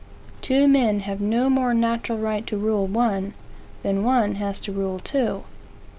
Two men have no more natural right to rule one, than one has to rule two.